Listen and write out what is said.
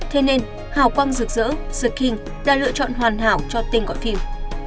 thế nên hào quang rực rỡ sừng king đã lựa chọn hoàn hảo cho tên gọi phim